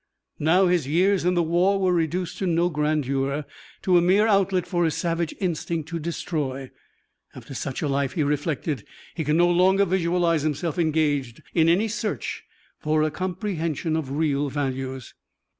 Now his years in the war were reduced to no grandeur, to a mere outlet for his savage instinct to destroy. After such a life, he reflected, he could no longer visualize himself engaged in any search for a comprehension of real values.